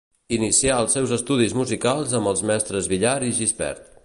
Inicià els seus estudis musicals amb els mestres Villar i Gispert.